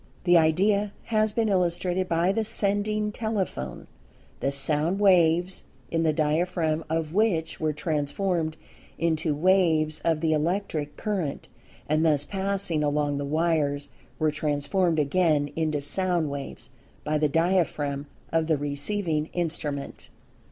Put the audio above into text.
The idea has been illustrated by the sending telephone, the sound waves in the diaphragm of which were transformed into[Pg 172] waves of the Electric current, and thus passing along the wires were transformed again into sound waves by the diaphragm of the receiving instrument.